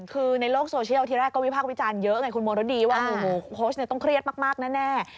คือในโลกโซเชียลที่แรกก็วิพากษ์วิจารณ์เยอะไงคุณมรดีว่าโอ้โหโค้ชต้องเครียดมากแน่